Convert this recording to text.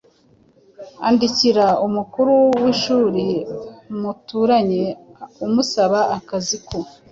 Andikira umukuru w’ishuri muturanye umusaba akazi ko